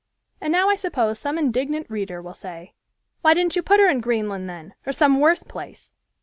And now I suppose some indignant reader will say, "Why didn't you put her in Greenland, then, or some worse place?"